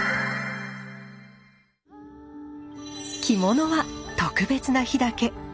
着物は特別な日だけ。